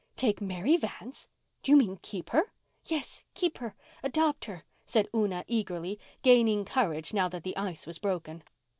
Take Mary Vance! Do you mean keep her?" "Yes—keep her—adopt her," said Una eagerly, gaining courage now that the ice was broken.